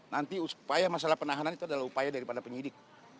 nanti upaya masalah penahanan itu adalah upaya daripada penyidik